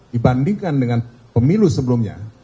dibandingkan dengan pemilu sebelumnya